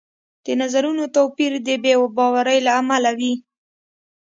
د نظرونو توپیر د بې باورۍ له امله وي